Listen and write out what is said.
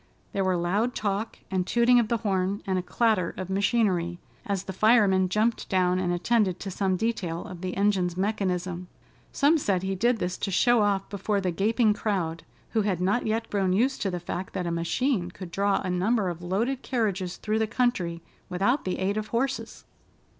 There were loud talk, and tooting of the horn, and a clatter of machinery, as the fireman jumped down and attended to some detail of the engine's mechanism. Some said he did this to show off before the gaping crowd, who had not yet grown used to the fact that a machine could draw a number of loaded carriages through the country, without the aid of horses.